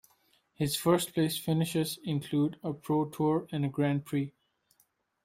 His first-place finishes include a Pro Tour and a Grand Prix.